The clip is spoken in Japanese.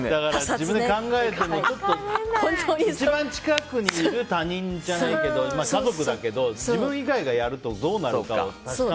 自分で考えるから一番近くにいる他人じゃないけど、家族だけど自分以外がやるとどうなるかが。